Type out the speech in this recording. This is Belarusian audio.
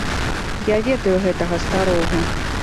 Я ведаю гэтага старога.